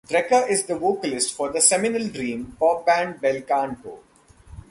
Drecker is the vocalist for the seminal dream pop band Bel Canto.